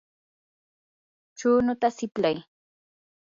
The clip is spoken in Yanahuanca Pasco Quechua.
chunuta siplay.